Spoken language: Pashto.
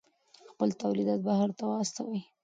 خپل تولیدات بهر ته واستوئ.